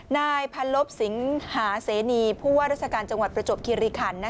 นายพันลบสิงหาเสนีผู้ว่าราชการจังหวัดประจวบคิริคัน